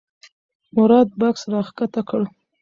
مراد بکس راښکته کړ.